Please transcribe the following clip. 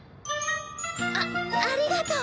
あありがとう。